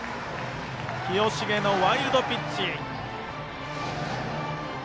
清重のワイルドピッチ。